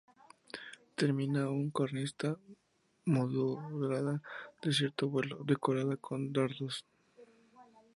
Termina una cornisa moldurada de cierto vuelo, decorada con dardos.